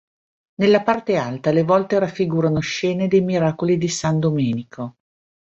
Nella parte alta, le volte raffigurano scene dei miracoli di San Domenico.